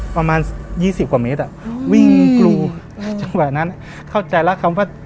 ประมาณยี่สิบกว่าเมตรอ่ะวิ่งกรูจังหวะนั้นเข้าใจแล้วคำว่า